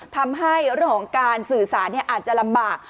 ทำให้เรื่องของการสื่อสารอาจจะลำบาก